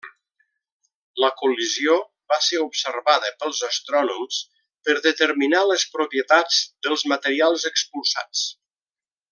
La col·lisió va ser observada pels astrònoms per determinar les propietats dels materials expulsats.